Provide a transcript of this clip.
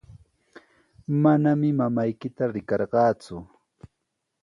Manami mamaykita riqarqaaku.